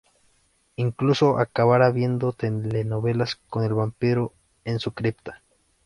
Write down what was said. Incluso acabará viendo telenovelas con el vampiro en su cripta.